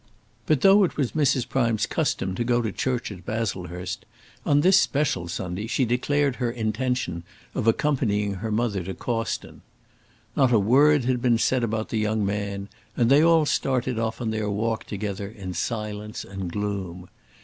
But though it was Mrs. Prime's custom to go to church at Baslehurst, on this special Sunday she declared her intention of accompanying her mother to Cawston. Not a word had been said about the young man, and they all started off on their walk together in silence and gloom.